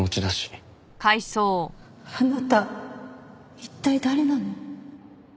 あなた一体誰なの？